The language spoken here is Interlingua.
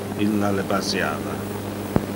Illa le basiava.